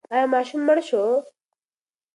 ایا ماشوم مړ شو؟